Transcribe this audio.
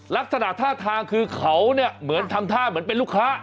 ลักษณะท่าทางคือเขาเนี่ยเหมือนทำท่าเหมือนเป็นลูกค้า